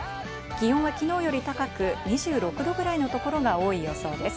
気温はきのうより高く、２６度ぐらいのところが多い予想です。